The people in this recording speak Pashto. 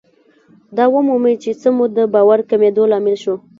دا ومومئ چې څه مو د باور کمېدو لامل شو.